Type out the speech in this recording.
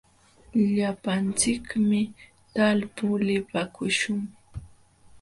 Llapanchikmi talpuu lipaakuśhun.